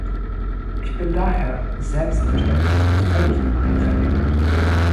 Ich bin daher selbstverständlich völlig im Einvernehmen.